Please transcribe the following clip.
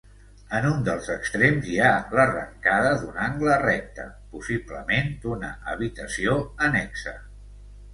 En un dels extrems hi ha l'arrencada d'un angle recte, possiblement d'una habitació annexa.